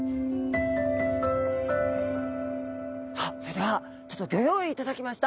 さあそれではちょっとギョ用意いただきました。